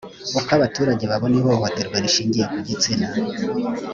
uko abaturage babona ihohoterwa rishingiye ku gitsina